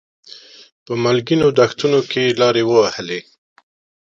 په مالګینو دښتونو کې لارې ووهلې.